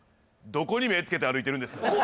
どこに目えつけて歩いてるんです